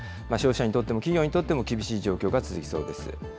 消費者にとっても企業にとっても厳しい状況が続きそうです。